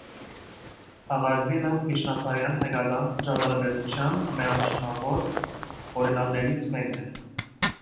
Հաղարծինը միջնադարյան հայկական ճարտարապետության ամենանշանավոր օրինակներից մեկն է։